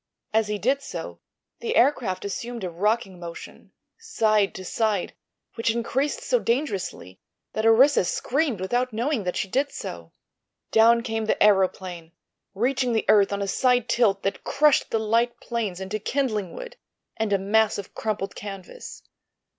As he did so the aircraft assumed a rocking motion, side to side, which increased so dangerously that Orissa screamed without knowing that she did so. Down came the aëroplane, reaching the earth on a side tilt that crushed the light planes into kindling wood and a mass of crumpled canvas.